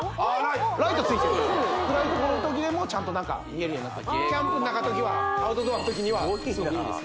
ライトついてるんです暗いところの時でもちゃんと中見えるようになってキャンプなんかの時はアウトドアの時にはすごくいいです